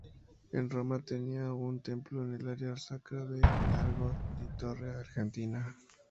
En Roma tenía un templo en el área sacra de Largo di Torre Argentina.